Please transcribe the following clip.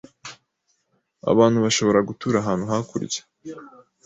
Abantu bashobora gutura ahantu hakurya